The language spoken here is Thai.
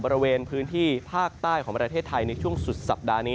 บริเวณพื้นที่ภาคใต้ของประเทศไทยในช่วงสุดสัปดาห์นี้